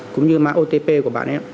cũng như mã otp của bạn em